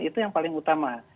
itu yang paling utama